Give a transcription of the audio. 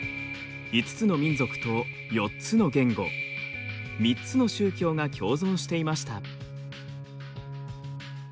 ５つの民族と４つの言語３つの宗教が共存していました。